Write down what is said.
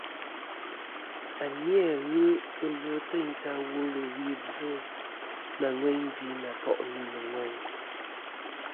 A ni-a ghɨ ɨlvɨ teyn ta wulwi bvɨ nà ŋweyn gvi nà to'nɨ nɨ̀ ŋweyn.